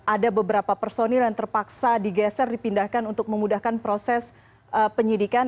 ada beberapa personil yang terpaksa digeser dipindahkan untuk memudahkan proses penyidikan